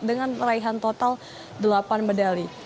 dan total delapan medali